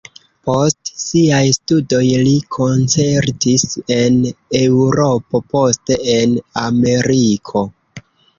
Post siaj studoj li koncertis en Eŭropo, poste en Ameriko.